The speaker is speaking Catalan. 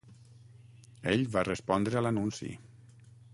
Ell va respondre a l'anunci.